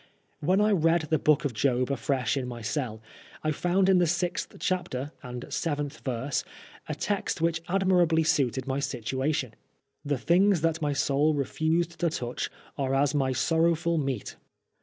When I read the Book of Job afresh in my cell, I found in the sixth chapter, and seventh verse, a text which admirably suited my situation : "The things that my soul refused to touch are as my sorrowful meat."